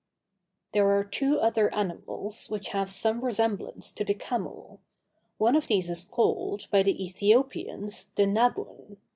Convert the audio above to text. _] There are two other animals, which have some resemblance to the camel. One of these is called, by the Æthiopians, the nabun.